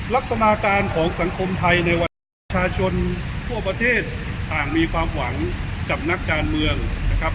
ลักษณะการของสังคมไทยในวันนี้ประชาชนทั่วประเทศต่างมีความหวังกับนักการเมืองนะครับ